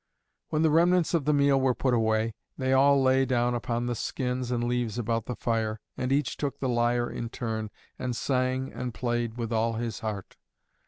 When the remnants of the meal were put away, they all lay down upon the skins and leaves about the fire, and each took the lyre in turn, and sang and played with all his heart.